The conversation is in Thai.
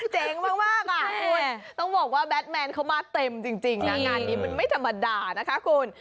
เจ๋งมากอ่ะคุณต้องบอกว่าแบทแมนเขามาเต็มจริงนะงานนี้มันไม่ธรรมดานะคะคุณ